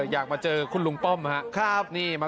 อยากมาเจอลุงป้อม